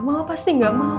mama pasti gak mau